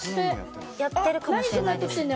やってるかもしれないですね。